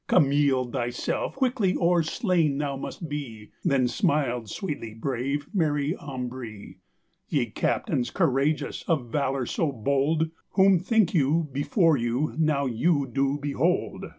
Come yield thy selfe quicklye, or slaine thou must bee:" Then smiled sweetlye brave Mary Ambree. "Ye captaines couragious, of valour so bold, Whom thinke you before you now you doe behold?"